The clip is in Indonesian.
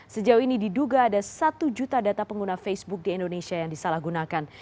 sejauh ini diduga ada satu juta data pengguna facebook di indonesia yang disalahgunakan